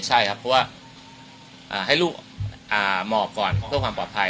ใช่ครับเพราะว่าให้ลูกหมอบก่อนเพื่อความปลอดภัย